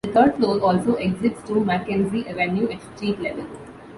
The third floor also exits to MacKenzie Avenue at street level.